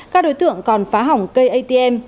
các đối tượng còn phá hỏng cây atm